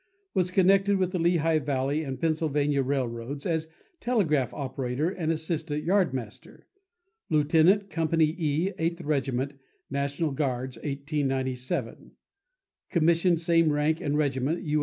was connected with the Lehigh Valley and Pennsylvania railroads as telegraph operator and assistant yardmaster; Lieutenant, Company E, Eighth Regiment, National Guards, 1897; commissioned same rank and regiment, U.